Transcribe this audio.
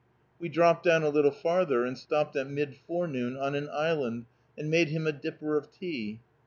We dropped down a little farther, and stopped at mid forenoon on an island and made him a dipper of tea.